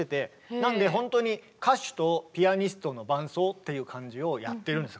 なんでほんとに歌手とピアニストの伴奏っていう感じをやってるんですよ。